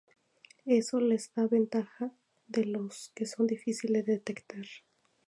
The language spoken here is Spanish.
Eso les da la ventaja de que son difíciles de detectar.